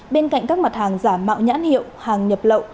bên cạnh các mặt hàng giả mạo nhãn hiệu hàng nhập lậu